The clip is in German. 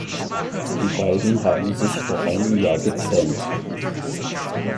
Die beiden haben sich vor einem Jahr getrennt.